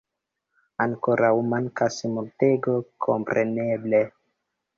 Ankorau mankas multego, kompreneble.